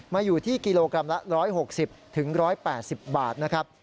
มาอยู่ที่กิโลกรัมละ๑๖๐๑๘๐บาทนะครับ